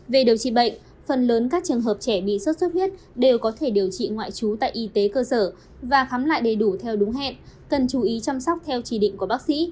về điều trị bệnh phần lớn các trường hợp trẻ bị sốt xuất huyết đều có thể điều trị ngoại trú tại y tế cơ sở và khám lại đầy đủ theo đúng hẹn cần chú ý chăm sóc theo chỉ định của bác sĩ